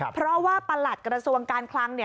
เพราะว่าประหลัดกระทรวงการคลังเนี่ย